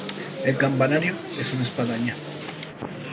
El campanario es una espadaña.